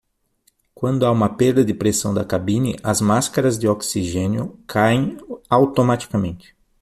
Quando há uma perda de pressão da cabine, as máscaras de oxigênio caem automaticamente.